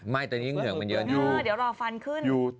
ไม่แต่นี่เหงื่อมันเยอะนะยูเดี๋ยวเราเอาฟันขึ้น